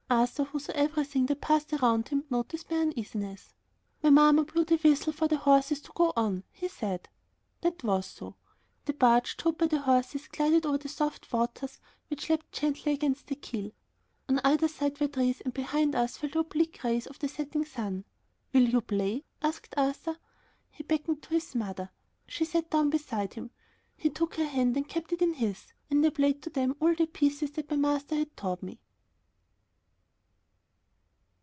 Arthur, who saw everything that passed around him, noticed my uneasiness. "My mamma blew the whistle for the horses to go on," he said. That was so; the barge, towed by the horses, glided over the soft waters which lapped gently against the keel; on either side were trees and behind us fell the oblique rays from the setting sun. "Will you play?" asked Arthur. He beckoned to his mother. She sat down beside him. He took her hand and kept it in his, and I played to them all the pieces that my master had taught me.